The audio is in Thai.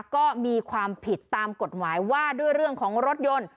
ก็มีความผิดตามกฎหมายว่าด้วยเรื่องของรถยนต์